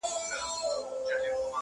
نه هوس د ميراث پاته كم او لوى ته!!